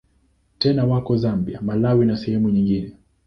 Tena wako Zambia, Malawi na sehemu nyingine.